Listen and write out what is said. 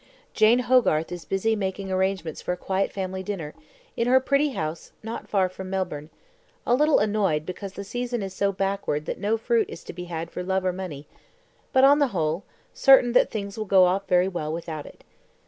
Jane Hogarth is busy making arrangements for a quiet family dinner party, in her pretty house, not far from Melbourne, a little annoyed because the season is so backward that no fruit is to be had for love or money; but, on the whole, certain that things will go off very well without it.